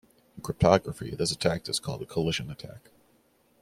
In cryptography, this attack is called a collision attack.